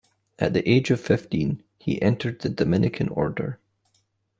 At the age of fifteen, he entered the Dominican Order.